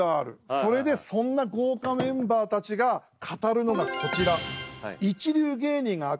それでそんな豪華メンバーたちが語るのがこちら。